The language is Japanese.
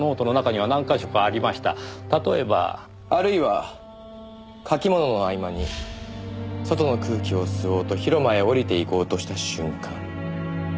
「あるいは書きものの合間に外の空気を吸おうと広間へ降りて行こうとした瞬間」。